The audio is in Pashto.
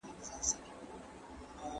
شریف غواړي چې یو نوی دوکان پرانیزي.